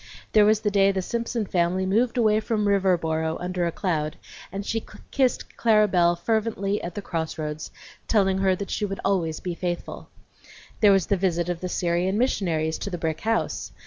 There was the day the Simpson family moved away from Riverboro under a cloud, and she kissed Clara Belle fervently at the cross roads, telling her that she would always be faithful. There was the visit of the Syrian missionaries to the brick house.